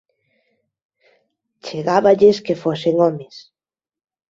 Chegáballes que fosen homes.